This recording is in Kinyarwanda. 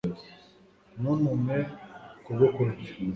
ntuntume kugukubita